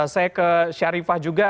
saya ke syarifah juga